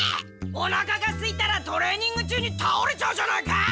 おなかがすいたらトレーニング中にたおれちゃうじゃないか！